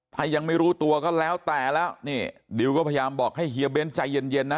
ถ้ายังไม่รู้ตัวก็แล้วแต่แล้วนี่ดิวก็พยายามบอกให้เฮียเบ้นใจเย็นนะ